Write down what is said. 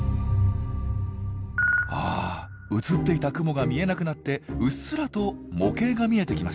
あ映っていた雲が見えなくなってうっすらと模型が見えてきました。